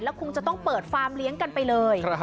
คงจะต้องเปิดฟาร์มเลี้ยงกันไปเลย